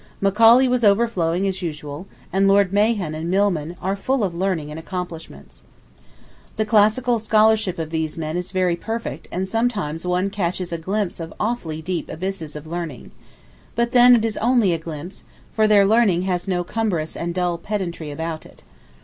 Macaulay was overflowing as usual, and Lord Mahon and Milman are full of learning and accomplishments. The classical scholarship of these men is very perfect and sometimes one catches a glimpse of awfully deep abysses of learning. But then it is only a glimpse, for their learning has no cumbrous and dull pedantry about it.